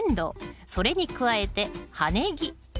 それに加えて葉ネギ。